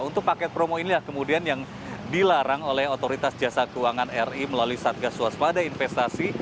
untuk paket promo inilah kemudian yang dilarang oleh otoritas jasa keuangan ri melalui satgas waspada investasi